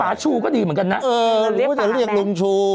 ซึ่งป๋าชูวิทย์ก็ดีเหมือนกันนะเออหรือว่าจะเรียกลุงชู